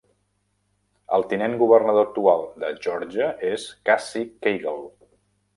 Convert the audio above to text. El tinent governador actual de Geòrgia és Casey Cagle.